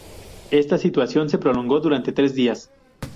Esta situación se prolongó durante tres días.